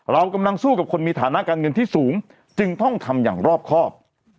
เรากำลังสู้กับคนมีฐานะการเงินที่สูงจึงต้องทำอย่างรอบครอบ